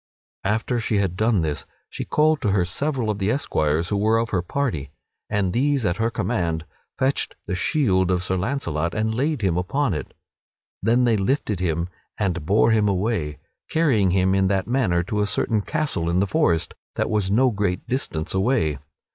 After she had done this she called to her several of the esquires who were of her party, and these at her command fetched the shield of Sir Launcelot and laid him upon it. Then they lifted him and bore him away, carrying him in that manner to a certain castle in the forest that was no great distance away.